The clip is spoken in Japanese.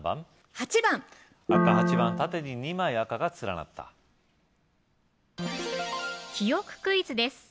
８番赤８番縦に２枚赤が連なった記憶クイズです